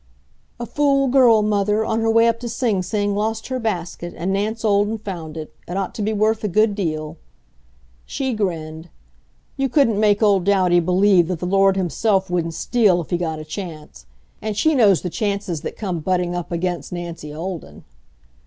"A fool girl, mother, on her way up to Sing Sing, lost her basket, and Nance Olden found it; it ought to be worth a good deal." She grinned. You couldn't make old Douty believe that the Lord himself wouldn't steal if He got a chance. And she knows the chances that come butting up against Nancy Olden.